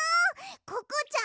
ココちゃん